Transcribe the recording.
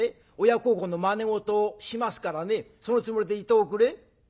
親孝行のまね事をしますからねそのつもりでいておくれ」。